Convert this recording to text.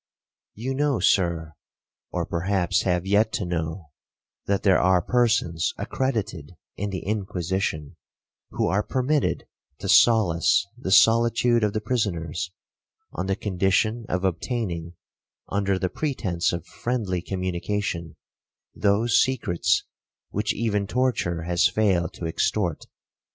'You know, Sir, or perhaps have yet to know, that there are persons accredited in the Inquisition, who are permitted to solace the solitude of the prisoners, on the condition of obtaining, under the pretence of friendly communication, those secrets which even torture has failed to extort.